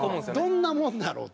どんなものだろう。